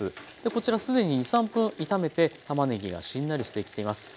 こちら既に２３分炒めてたまねぎがしんなりしてきています。